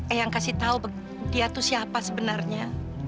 ayang kasih tahu dia itu siapa sebenarnya